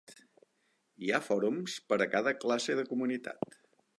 Hi ha fòrums per a cada classe de comunitat.